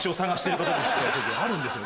あるんですよ